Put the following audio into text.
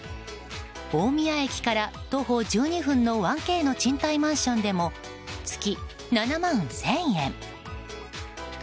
大宮駅から徒歩１２分の１Ｋの賃貸マンションでも月７万１０００円。